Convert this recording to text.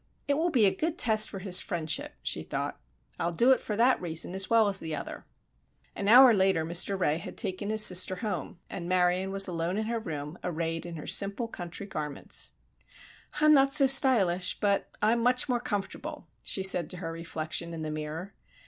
"It will be a good test for his friendship," she thought. "I'll do it for that reason as well as the other." An hour later Mr. Ray had taken his sister home and Marion was alone in her room arrayed in her simple, country garments. "I'm not so stylish, but I'm much more comfortable," she said to her reflection in the mirror.